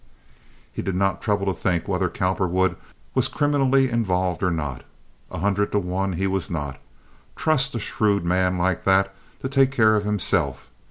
He did not trouble to think whether Cowperwood was criminally involved or not. A hundred to one he was not. Trust a shrewd man like that to take care of himself.